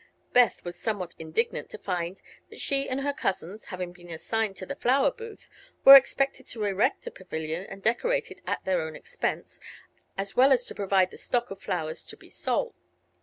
Beth was somewhat indignant to find that she and her cousins, having been assigned to the flower booth, were expected to erect a pavilion and decorate it at their own expense, as well as to provide the stock of flowers to be sold.